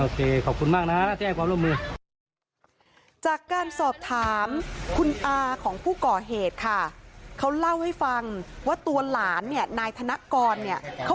จากการสอบถามคุณอาของผู้ก่อเหตุค่ะเขาเล่าให้ฟังว่าตัวหลานนายธนกรเขาค่ะ